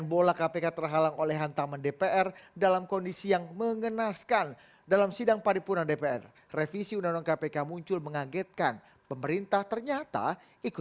bug tackle dan bug attack